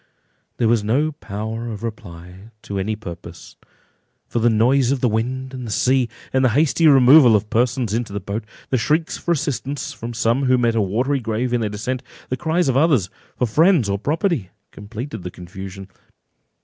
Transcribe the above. There was no power of reply to any purpose, for the noise of the wind and sea, the hasty removal of persons into the boat, the shrieks for assistance from some who met a watery grave in their descent, the cries of others for friends or property completed the confusion.